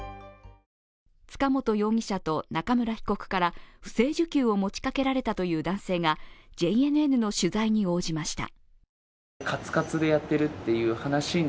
塚本容疑者と中村被告から不正受給を持ちかけられたという男性がＪＮＮの取材に応じました。